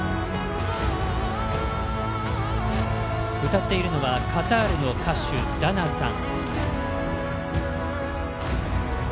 歌っているのはカタールの歌手、ダナさん。